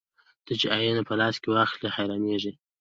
ته چې آيينه په لاس کې واخلې حيرانېږې